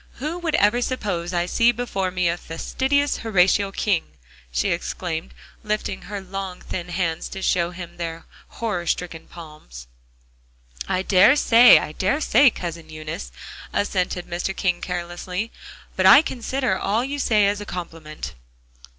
Who would ever suppose I see before me fastidious Horatio King!" she exclaimed, lifting her long thin hands to show him their horror stricken palms. "I dare say, I dare say, Cousin Eunice," assented Mr. King carelessly, "but I consider all you say as a compliment."